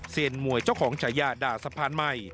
มวยเจ้าของฉายาด่าสะพานใหม่